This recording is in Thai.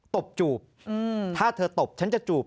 ตบจูบถ้าเธอตบฉันจะจูบ